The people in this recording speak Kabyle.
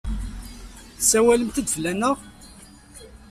Tessawalemt-d fell-aneɣ?